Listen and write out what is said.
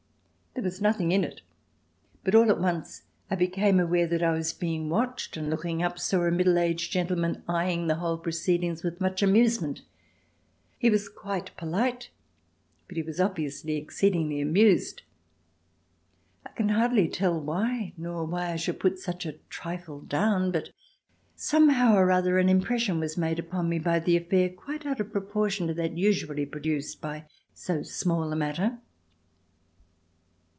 There was nothing in it, but all at once I became aware that I was being watched, and, looking up, saw a middle aged gentleman eyeing the whole proceedings with much amusement. He was quite polite but he was obviously exceedingly amused. I can hardly tell why, nor why I should put such a trifle down, but somehow or other an impression was made upon me by the affair quite out of proportion to that usually produced by so small a matter.